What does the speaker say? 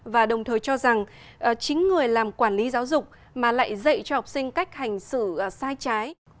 và đồng thời cho rằng chính người làm quản lý giáo dục mà lại dạy cho học sinh cách hành xử sai trái